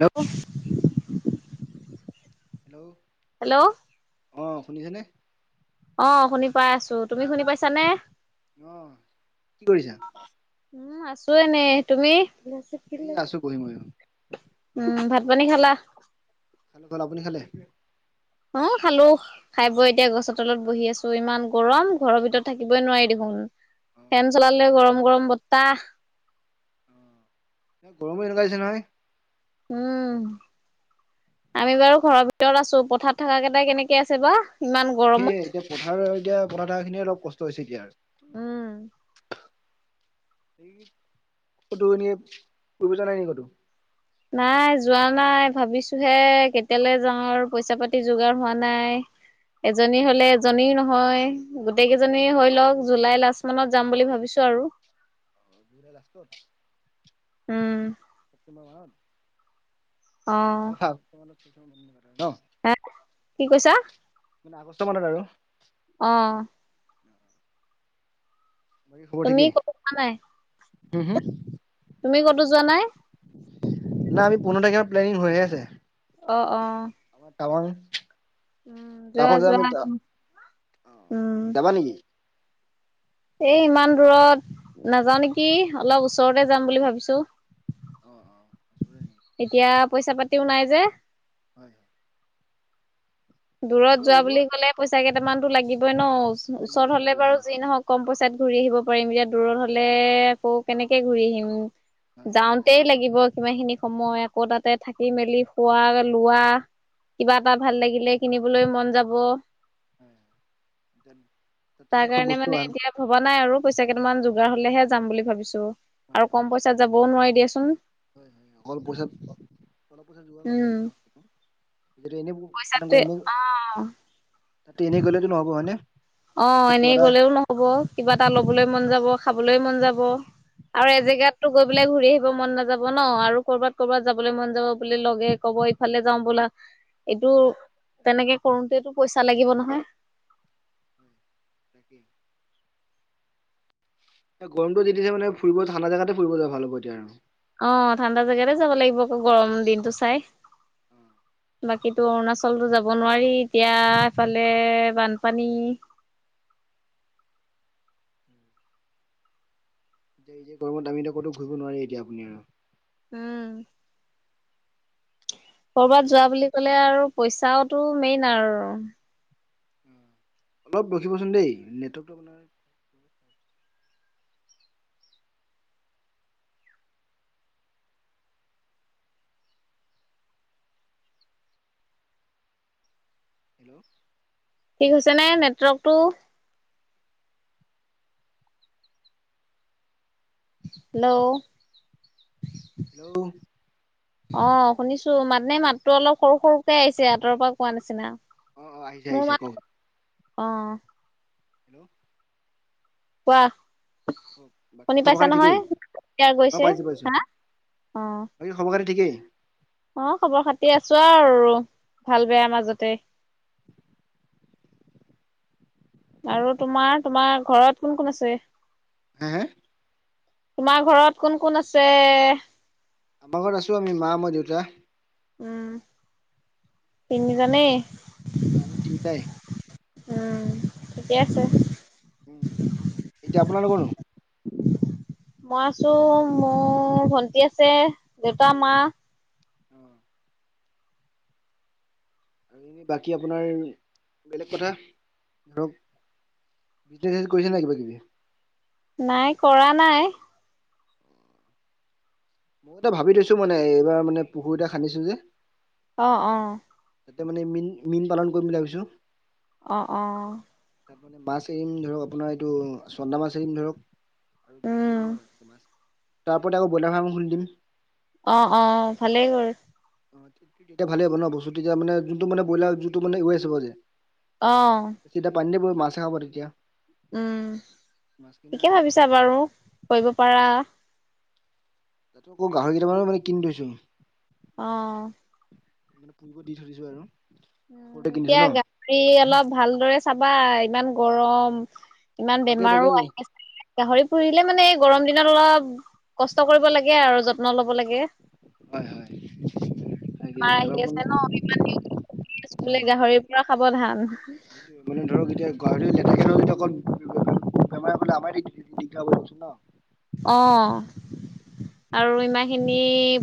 Hello অ [unintelligible] hello hello অ শুনিছে নে অ শুনি পাই আছো তুমি শুনি পাইছানে আহ কি কৰিছা উম আছো এনে তুমি এই আছো বহি ময়ো উম ভাত পানী খালা [unintelligible] খালে ভাত আপুনি খালে হা খালো খাই বৈ এতিয়া গছৰ তলত বহি আছো ইমান গৰম ঘৰৰ ভিতৰত থাকিবই নোৱাৰি দেখোন অ ফেন চলালে গৰম গৰম বতাহ গৰমো এনেকুৱা হৈছে নহয় উম আমি বাৰু ঘৰৰ ভিতৰত আছো পথাৰ থকা কেইটাই কেনেকে আছে বা ইমান সেয়ে গৰমত এতিয়া পথাৰ আৰু এতিয়া থকা খিনিয়ে অলপ কষ্ট হৈছে এতিয়া আৰু উম ক'তো এনে ফুৰিবলে নাই নেকি ক'তো? নাই যোৱা নাই ভাবিছোহে কেতিয়ালৈ যাও আৰু পইচা পাতি যোগাৰ হোৱা নাই। এজনী হলে এজনীও নহয় গোটেই কেইজনী হৈ লওক জুলাই লাষ্ট মানত যাম বুলি ভাবিছো আৰু খ জুলাই লাষ্টত উম তোমাৰ অ ভ তোমালোক মন কৰা ন। হে কি কৈছা? মানে আগষ্ট মানত আৰু অ [unintelligible] তুমি ক নাই। [unintelligible] ওহু, [unintelligible] তুমি ক'তো যোৱা নাই? ন আমি পোন্ধৰ তাৰিখে তুমাৰ প্লানিং হৈয়ে আছে। [unintelligible] অ অ আমাৰ টাৱাং উম যোৱা তাৰপা যে যোৱা আমি যাবা নেকি এ ইমান দূৰত নাযাও নেকি অলপ ওচৰতে যাম বুলি ভাবিছো। অ অ এতিয়া পইচা পাতিও নাই যে। হয় হয়। দূৰত তাকে যোৱা ওলোৱা বুলি ক'লে পইচা কেইটামানতো লাগিবই ন লাগিব ওচৰত হলে লাগিব বাৰু হয় যি নহওক কম পইচাত, ঘূৰি আহিব পাৰিম এতিয়া দূৰত হলে আকৌ কেনেকে ঘূৰি আহিম। হয় হয় যাওঁতে তাকেই লাগিব কিমাখিনি সময় আকৌ তাতে থাকি মেলি খোৱা লোৱা কিবা হয় এটা ভাল লাগিলে, কিনিবলৈ মন যাব। হয় এতিয়া তাতে তাৰ চব কাৰণে বস্তু মানে ভাল এতিয়া ভবা নাই আৰু পইচা কেইটামান যোগাৰ হলেহে যাম বুলি ভাবিছো হয় আৰু কম পইচাত যাবও নোৱাৰি দিয়াচোন। হয় হয় অলপ পইচাত অলপ পইচাত যোগাৰ কৰি লওক। উম এনে পইচাটোৱে এনে অ তাতে এনে গ'লে তো নহব হয়নে? অ ৰাস্তাত কিবা এনেই এটা গলেও নহব কিবা এটা লবলৈ মন যাব, খাবলৈ মন যাব, আৰু অ এজেগাততো গৈ বোলে ঘূৰি আহিব মন নাযাব ন আৰু কৰবাত কৰ'বাত যাবলৈ মন যাব বোলে লগে কব ইফালে যাও বলা এইটো হয় তেনেকে কৰোতেটো পইচা লাগিব নহয়। হয় তাকেই গৰমটো দিছে মান ফুৰিব ঠাণ্ডা জেগাতে ফুৰিব যায় ভাল হ'ব এতিয়া আৰু অ ঠাণ্ডা জেগাতে যাব লাগিব আকৌ গৰম দিনটো চাই। অ বাকীতো অৰুণাচলতো যাব নোৱাৰি এতিয়া এফালে বানপানী ঠ'ঠ' এতিয়া এই যে গমত আমি এয়া ক'তো ঘূৰিব নোৱাৰি এতিয়া আপুনি আৰু উম! হেল্ল' কৰ'বাত যোৱা বুলি ক'লে আৰু পইচাওতো মেইন আৰু অলপ ৰখিবচোন দেই নেটৱৰ্কটো আপোনাৰ হেল্ল' ঠিক হৈছে নে নেটৱৰ্কটো? হেল্ল' হেল্ল' অ অ শুনিছো মাত নে মাতটো অলপ সৰু সৰুকে আহিছে আঁতৰৰ পৰা কোৱা নিচিনা। অ আহিছে মোৰ আহিছে কওক মাতটো অ' হেল্ল' কোৱা। বাকী শুনি খবৰ পাইছা খাতি নহয় ঠিকেই? ক্লিয়াৰ অ গৈছে পাইছো পাইছো। হা অ বাকী খবৰ-খাতী ঠিকেই? অ খবৰ খাতি আছো আৰু, ভাল বেয়া মাজতে। [inaudible] আৰু তোমাৰ, তোমাৰ ঘৰত কোন কোন আছে? হে হে? তোমাৰ ঘৰত কোন কোন আছে? আমাৰ ঘৰত আছো আমি মা, মই, দেউতা। উম তিনিজনেই? আমি তিনিটায়ে। উম। ঠিকে আছে, উম' এতিয়া আপোনালোকৰ নো মই আছো, মোৰ ভন্টি আছে, দেউতা, মা। উম' আৰু এনেই বাকী আপোনাৰ বেলেগ কথা, ধৰক বিজনেছ কৰিছে নে কিবা কিবি? নাই কৰা নাই মই এটা ভাবি থৈছো মানে এইবাৰ মানে পুখুৰী এটা খান্দিছো যে অ অ' তাতে মানে মীন, মীন পালন কৰিম বুলি ভাবিছো। অঁ অঁ তাত মানে মাছ এৰিম ধৰক আপোনাৰ এইটো, চন্দা মাছ এৰিম ধৰক। আৰু কিবা উম, কিবি এৰিম আৰু, তাৰ ওপৰত আক ব্ৰইলাৰ ফাৰ্ম এখন খুলি দিম। অ অ' ভালেই বাৰু। তেতিয়া ভালে হ'ব ন বস্তু, তেতিয়া মানে যোনটো মানে ব্ৰইলাৰ যোনটো মানে ৱেস্ট হ'ব যে অ', খিনি তা পানীতে পৰিব মাছে খাব তেতিয়া। উম' মাছখিনি ঠিকে তেতিয়া অলপ ভাবিছা হেৰি বাৰু, অ কৰিব পাৰা। তাতো আকৌ গাহৰি কেইটামানো মানে কিনি থৈছো। অ'। মানে পুহিব দি থৈ দিছো আৰু। সৰুতে উম কিনিছো এতিয়া ন গাহৰি অলপ ভালদৰে চাবা ইমান গৰম। ইমান তাকে তাকে বেমাৰো আহি আছে। গাহৰি পুহিলে মানে গৰম দিনত অলপ কষ্ট কৰিব লাগে আৰু যত্ন ল'ব লাগে। হয় হয় তাকে অলপ মানে আছে ন [unintelligible] উম [unintelligible] গাহৰিৰ পৰা সাৱধান। সেইটোৱে মানে [unintelligible] বেমাৰে পালে আমাৰে দিগদাৰ চুন ন। অ' আৰু ইমান খিনি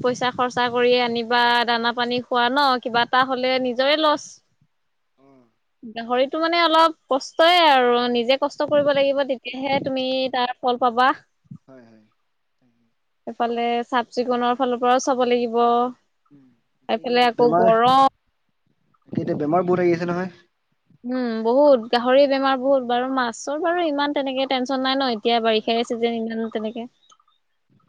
পইচা খৰচা কৰি আনিবা দানা-পানী খোৱা ন, কিবা এটা হ'লে নিজৰে লছ। অ গাহৰি এটো মানে অলপ কষ্টয়ে আৰু নিজে কষ্ট কৰিব লাগিব, তেতিয়াহে তুমি তাৰ ফল পাবা। হয় হয়। এফালে চাফ চিকুনৰ ফালৰ পৰাও চাব লাগিব। উম এফালে আকৌ গৰম তাকে, এতিয়া বেমাৰ বহুত আহি আছে নহয়। উম' বহুত গাহৰি বেমাৰ বহুত, বাৰু মাছৰ বাৰু ইমান তেনেকে টেনচন নাই ন। এতিয়া হয় বাৰিষাৰে চিজন ইমান তেনেকে,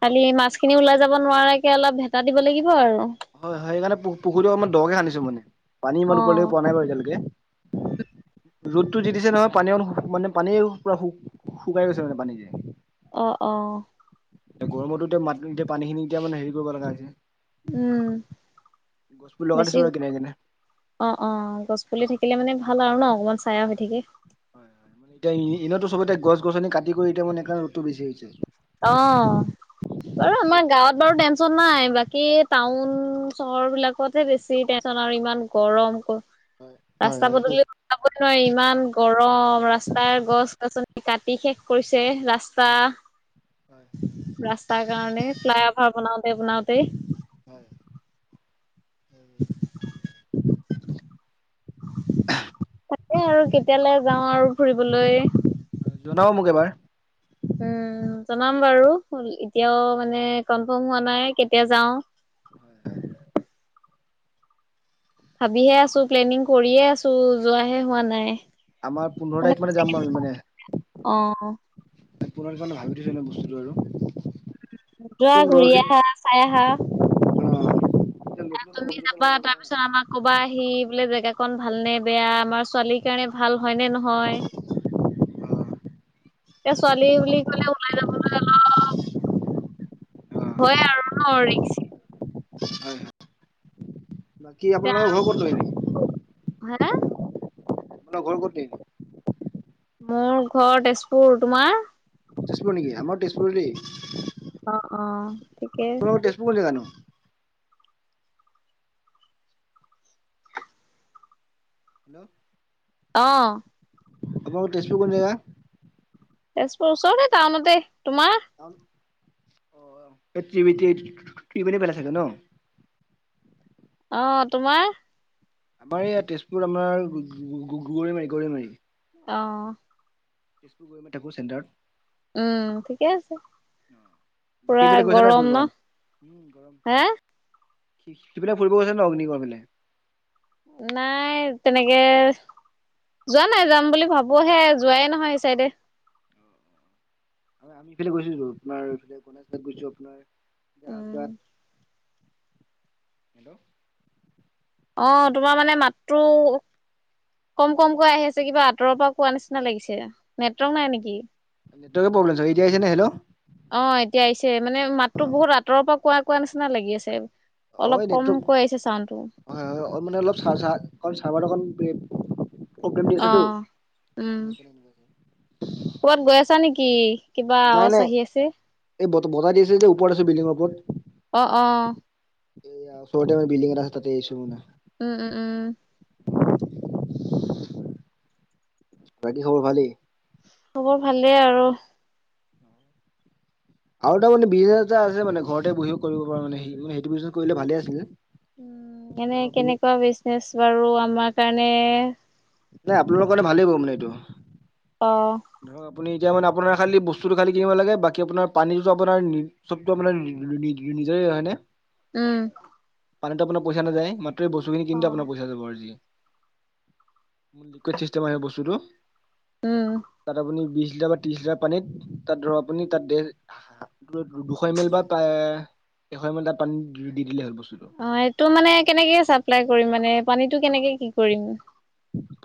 খালি মাছ খিনি ওলাই যাব নোৱাৰাকে অলপ ভেটা দিব লাগিব। আৰু হয় হয় সেইকাৰণে পুখুৰীটোৰ অকমান দৰকে খান্দিছো মানে, পানী ইমান অ'। ওৰলৈকে পোৱা নাই বাৰু এতিয়ালৈকে। [unintelligible] ৰ'দতটো দি দিছে নহয়, পানী মানে পানীয়ে পোৰা শুকাই গৈছে মানে পানী যে। অ', অ', এ গৰমটোতে মাত এতিয়া পানী খিনি এতিয়া মানে হেৰি কৰিব লগা হৈছে। উম গছপুলি লগাই বেছি দিছো আৰু কিনাৰে কিনাৰে। অ অ গছ পুলি থাকিলে মানে ভাল আৰু ন অকমান চাইয়া হৈ থাকে। মানে এতিয়া ইনতো চবেতিয়া গছনি কাটি কৰি এতিয়া মানে বেছি হৈছে। অ বাৰু আমাৰ গাঁৱত বাৰু টেনচন নাই বাক- কি টাউন চহৰ বিলাকতহে বেছি টেনচন আৰু ইমান গৰম ক হয় হয় ৰাস্তা হয় গছ পদূলিও ওলাব নোৱাৰি ইমান গৰম ৰাস্তাৰ গছ গছনি কাটি শেষ কৰিছে ৰাস্তা। হয় হয় ৰাস্তাৰ কাৰণে ফ্লাই অভাৰ বনাওঁতে বনাওঁতে। হয়। [inaudible] তাকে আৰু কেতিয়ালৈ যাওঁ আৰু ফুৰিবলৈ? জনাব মোক এবাৰ। উম জনাম বাৰু এতিয়াও মানে কনফাৰ্ম হোৱা নাই কেতিয়া যাওঁ। [inaudible] ভাবিহে আছো প্লেনিং কৰিয়ে আছো যোৱাহে হোৱা নাই। আমাৰ পোন্ধৰ তাৰিখ মানে যাম আমি মানে। অ পুনৰজণে ভাবি থৈছিলে বস্তুটো আৰু। যোৱা চব ঘূৰি ল'ৰাখিনি আহা চাই আহা। অ আহ নতুন নতুন তুমি অভিজ্ঞতা ল'ব যাবা লাগিব তাৰ হয় নাই। পিছত আমাক কবা আহি বোলে জেগাখন ভাল নে বেয়া। আমাৰ ছোৱালীৰ কাৰণে ভাল হয় নে নহয়। এয়া ছোৱালী বুলি কলে ওলাই যাবলৈ অলপ ভয় আৰু ন ৰিকছ্ হয় বাকী আপোনালোকৰ ঘৰ কত নো এনেই‌? হা আপোনাৰ ঘৰ ক'ত তেই? মোৰ ঘৰ তেজপুৰ। তোমাৰ? তেজপুৰ নেকি আমাৰ তেজপুৰতেই অ অ ঠিকেই তেজপুৰ কোন জেগা নো? হেল্ল' অ আপোনা তেজপুৰ কোন জেগা? তেজপুৰৰ ওচৰতেই টাউনতেই। তোমাৰ? এ ত্ৰিবিতিত কি বুলি পেলাইছে গে ন অ তোমাৰ আমাৰ ইয়া তেজপুৰত আমাৰ গৰৈমাৰি গৰৈমাৰী অ তেজপুৰ গৈ থাকো চেণ্টাৰত উম ঠিকে আছে। পুৰা বাকীবিলাক গৈছে নাই গৰম ফুৰিব ন কাৰণে উম হে গৰম সিপিনে ফুৰিব গৈছে ন অগ্নিগড়ফালে। নাই তেনেকে যোৱা নাই যাম বুলি ভাবোহে যোৱাই নহয় সেই চাইডে আমি ইফালে গৈছো [unintelligible] উম আপোনাৰ জাহাজ ঘাট হেল্ল' অ তোমাৰ মানে মাতটো কম কমকৈ আহি আছে কিবা আঁতৰৰ পৰা কোৱা নিচিনা লাগিছে নেটৱৰ্ক নাই নেকি? নেটৱৰ্কৰে প্ৰব্লেম এতিয়া আহিছে নে হেল্ল অহ, এতিয়া আহিছে মানে মাততো বহুত আঁতৰৰ পৰা কোৱা -কোৱা নিচিনা লাগি আছে। অহ, অলপ নেটৱৰ্ক কমকৈ আহিছে চাউণ্ডটো হয়', হয় ', মানে অলপ [unintelligible] প্ৰব্লেম দি আছে অ টো উম [unintelligible] ক'বাত গৈ আছা নেকি কিবা আৱাচ আহি আছে? বজাই দি আছে যদি ওপৰত আছে বিল্ডিঙৰ ওপৰত। অ', অ', এইয়া ওচৰতে মানে বিলডিং এটা আছে তাতে আহিছো মানে। উম, উম, উম বাকী খবৰ ভালেই? খবৰ ভালেই আৰু। আৰু এটা মানে বিজনেছ এটা আছে মানে ঘৰতে বহিও কৰিব পৰা মানে হি মানে সেইটো বিজনেছ কৰিলে ভালে আছিলে। উম এনে ধৰক আপুনি কেনেকুৱা বিজনেচ বাৰু আমাৰ কাৰণে। নাই আপোনালোকল কাৰণে ভালেই হ'ব মানে এইটো। অ ধৰক আপুনি। এতিয়া মানে আপোনাৰ খালি বস্তুটো খালি কিনিব লাগে বাকী আপোনাৰ পানীটোতো আপোনাৰ নি চবটো আপোনাৰ নি নি নিজে। হয়নে। উম। পানীটো অপোনাৰ পইচা নাযায় মাত্ৰ বস্তুখিনি অ কিনোতে আপোনাৰ পইচা যাব আৰু যি। লিকুইড চিষ্টেম আহিব বস্তুটো। উম। তাত আপুনি বিশ লিটাৰ বা ত্ৰিশ লিটাৰ পানীত তাত ধৰক আপুনি তাত দেৰ দুশ এ মাইল বা প্ৰায়। [inaudible] এশ এমেল এটা পানীত দি দিলেই হ'ল বছ। অ', এইটো মানে কেনেকে চাপ্লাই কৰিম মানে পানীটো কেনেকে কি কৰিম?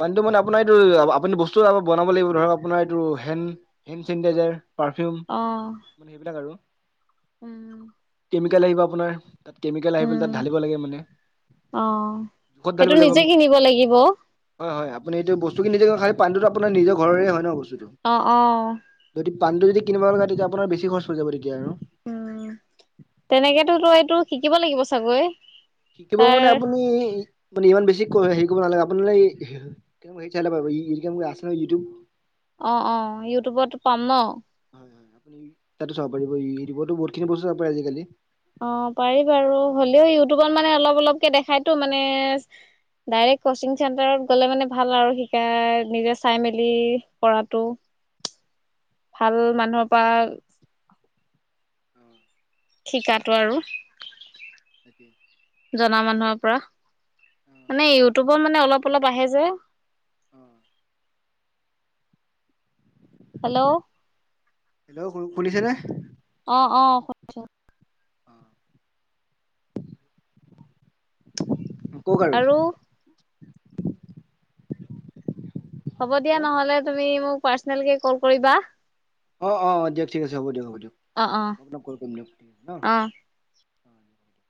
পানীটো মানে আপোনাৰ এইটো আপুনি বস্তু বনাব লাগিব ধৰক আপোনাৰ এইটো হেন হেণ্ড চেনিটাইজাৰ। পাৰফিউম অ মানে সেইবিলাক আৰু উম [inaudible] কেমিকেল আহিব আপোনাৰ তাত কেমিকেল আহি পেলাই উম তাত ঢালিব লাগে মানে। অ', জোখত সেইটো ঢালিব লাগিব নিজে আমি। কিনিব লাগিব? হয়', হয়', আপুনিতো বস্তুখিনি নিজে খাই পানীটো আপোনাৰ নিজৰ ঘৰৰে হয় ন' বছ। অ', অ', পানটো যদি কিনিব লগা হয় তেতিয়া আপোনাৰ বেছি খৰচ হৈ যাব তেতিয়া আৰু। উম, তেনেকেতো তো এইটো শিকিব লাগিব চাগৈ শিকিব তাৰ মানে আপুনি আপুনি ইমান বেছি হেৰি কৰিব নালাগে আপুনি হে হেৰি চাই লব [unintelligible] আছে নহয় ইউটিউব।। অ', অ', ইউটিউবতো পাম ন'। [unintelligible] আপুনি তাতো চাব পাৰিব ইউটিউবতো বহুত খিনি বস্তু পাৰে আজিকালি। অহ, পাৰি বাৰু হ'লেও ইউটিউবত মানে অলপ -অলপকে দেখাইতো মানে ডাইৰেক্ট কচিং চেণ্টাৰত গ'লে মানে ভাল আৰু শিকাই নিজে চাই মেলি কৰাটো। ভাল মানুহৰ পৰা অ শিকাতো আৰু তাকে [inaudible] জনা মানুহৰ পৰা। মানে অ ইউটিউবৰ মানে অলপ -অলপ আহে যে। অ হেল্ল', হেল্ল', শুনিছেনে? অ', অ', শুনিছো। কওঁক আৰু। হ'ব দিয়া হেল্ল' নহ'লে তুমি মোক পাৰ্চনেলকে কল কৰিবা। অ', অ', দিয়ক ঠিক আছে হ'ব দিয়ক -হ'ব দিয়ক অ অ মই আপোনাক কল কৰিম দিয়ক ঠিক আছে নহ'। অ [inaudible]